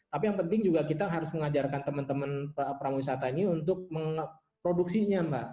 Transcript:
tapi yang penting juga kita harus mengajarkan teman teman pramu wisata ini untuk memproduksinya mbak